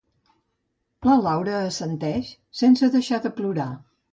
La Laura assenteix, sense deixar de plorar.